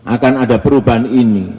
akan ada perubahan ini